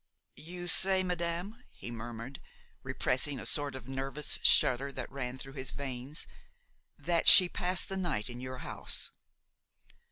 "You say, madame," he murmured, repressing a sort of nervous shudder that ran through his veins, "that she passed the night in your house?"